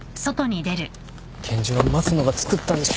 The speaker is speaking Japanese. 拳銃は益野が作ったんじゃ。